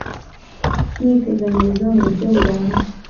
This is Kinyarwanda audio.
Mwiteganyiriza mu buryo burambye.